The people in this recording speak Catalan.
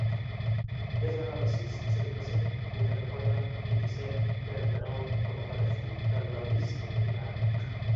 Desa el sis, setanta-cinc, vuitanta-quatre, vint-i-set, trenta-nou com a telèfon de l'Alícia Milian.